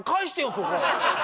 そこ！